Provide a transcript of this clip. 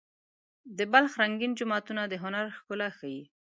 د بلخ رنګین جوماتونه د هنر ښکلا ښيي.